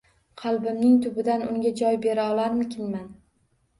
Qalbimning tubidan unga joy bera olarmikinman